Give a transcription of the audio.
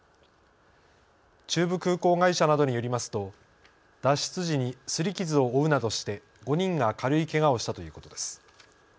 中部空港会社などによりますと脱出時にすり傷を負うなどして５人が軽いけがをしたということです。